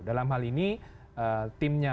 dalam hal ini timnya